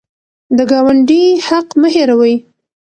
د ګاونډي حق مه هېروئ.